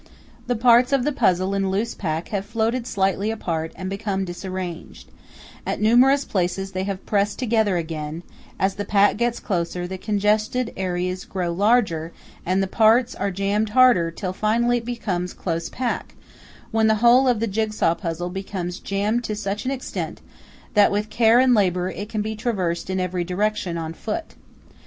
The parts of the puzzle in loose pack have floated slightly apart and become disarranged; at numerous places they have pressed together again; as the pack gets closer the congested areas grow larger and the parts are jammed harder till finally it becomes "close pack," when the whole of the jigsaw puzzle becomes jammed to such an extent that with care and labour it can be traversed in every direction on foot.